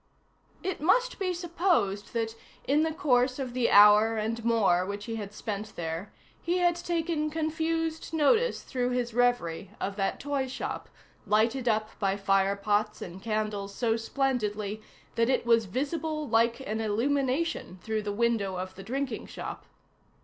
It must be supposed that in the course of the hour and more which he had spent there he had taken confused notice through his reverie of that toy shop, lighted up by fire pots and candles so splendidly that it was visible like an illumination through the window of the drinking shop.